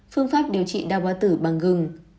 phương pháp điều trị đau ba tử bằng gừng